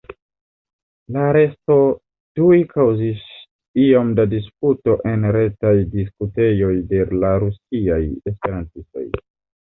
La aresto tuj kaŭzis iom da disputo en retaj diskutejoj de la rusiaj esperantistoj.